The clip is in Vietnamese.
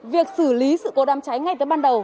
việc xử lý sự cố đám cháy ngay từ ban đầu